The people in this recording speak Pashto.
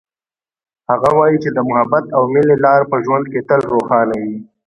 هغه وایي چې د محبت او مینې لار په ژوند کې تل روښانه وي